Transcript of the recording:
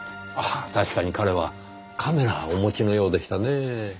確かに彼はカメラをお持ちのようでしたねぇ。